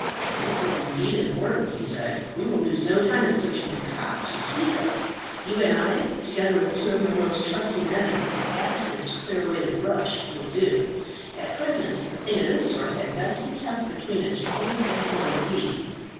"This is indeed important," he said. "We will lose no time in searching the copse you speak of. You and I, together with two of my most trusty men, with axes to clear away the brush, will do. At present a thing of this sort had best be kept between as few as may be."